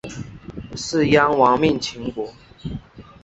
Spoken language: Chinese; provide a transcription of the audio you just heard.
士鞅亡命秦国。